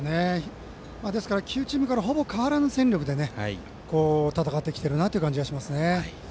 ですから旧チームからほぼ変わらない戦力で戦ってきているなという感じがします。